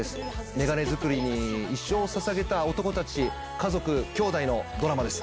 眼鏡作りに一生をささげた男たち家族きょうだいのドラマです。